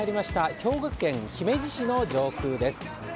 兵庫県姫路市の上空です。